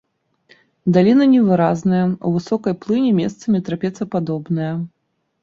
Даліна невыразная, у высокай плыні месцамі трапецападобная.